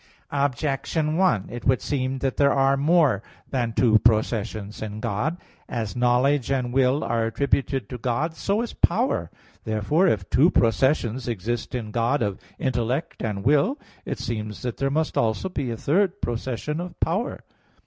Objection 1: It would seem that there are more than two processions in God. As knowledge and will are attributed to God, so is power. Therefore, if two processions exist in God, of intellect and will, it seems that there must also be a third procession of power.